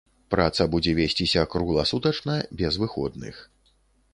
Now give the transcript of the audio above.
Праца будзе весціся кругласутачна без выходных.